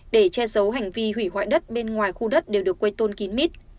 để che giấu hành vi hủy hoại đất bên ngoài khu đất đều được quây tôn kín mít